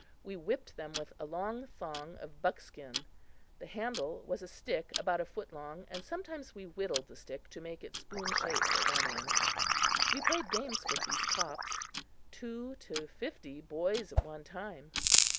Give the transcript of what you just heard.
We whipped them with a long thong of buckskin. The handle was a stick about a foot long and sometimes we whittled the stick to make it spoon shaped at one end. We played games with these tops two to fifty boys at one time.